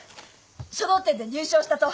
書道展で入賞したと！